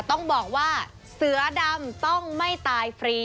ต้องบอกว่าเสือดำต้องไม่ตายฟรี